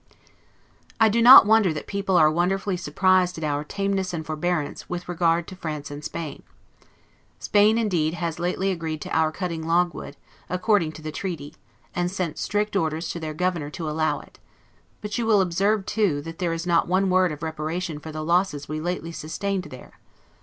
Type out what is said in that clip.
I do not wonder that people are wonderfully surprised at our tameness and forbearance, with regard to France and Spain. Spain, indeed, has lately agreed to our cutting log wood, according to the treaty, and sent strict orders to their governor to allow it; but you will observe too, that there is not one word of reparation for the losses we lately sustained there.